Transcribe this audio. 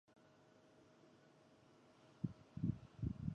当时藏汉语综合在一个频道播出。